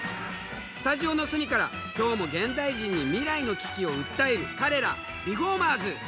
スタジオの隅から今日も現代人に未来の危機を訴える彼らリフォーマーズ！